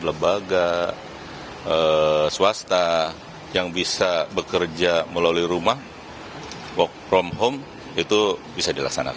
lembaga swasta yang bisa bekerja melalui rumah work from home itu bisa dilaksanakan